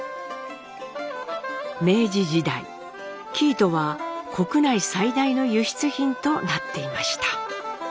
明治時代生糸は国内最大の輸出品となっていました。